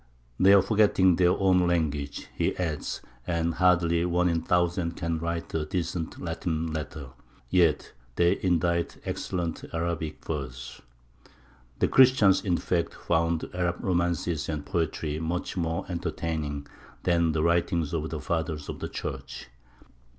They are forgetting their own language, he adds, and hardly one in a thousand can write a decent Latin letter; yet they indite excellent Arabic verse. The Christians, in fact, found Arab romances and poetry much more entertaining than the writings of the Fathers of the Church.